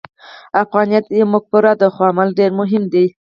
افغانیت یوه مفکوره ده، خو عمل ډېر مهم دی.